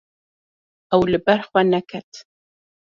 Ew li ber xwe neket.